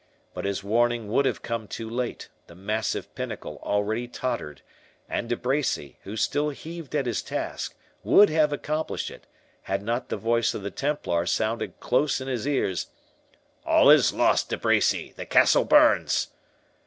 But his warning would have come too late; the massive pinnacle already tottered, and De Bracy, who still heaved at his task, would have accomplished it, had not the voice of the Templar sounded close in his ears:— "All is lost, De Bracy, the castle burns."